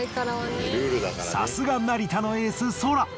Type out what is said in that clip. さすが成田のエースソラ。